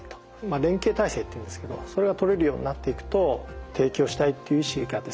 連携体制っていうんですけどそれがとれるようになっていくと提供したいっていう意思がですね